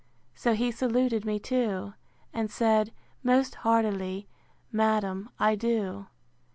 So he saluted me too; and said, Most heartily, madam, I do.